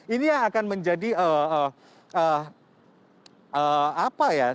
ini yang akan menjadi apa ya